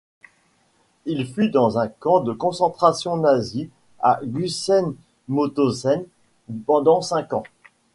Il fut dans un camp de concentration nazi à Gusen-Mauthausen pendant cinq ans.